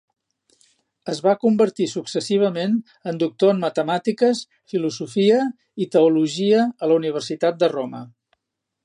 Es va convertir successivament en doctor en matemàtiques, filosofia i teologia a la Universitat de Roma.